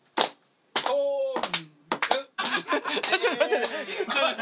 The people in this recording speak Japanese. ちょっと待って。